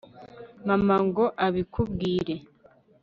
mama ngo abikubwire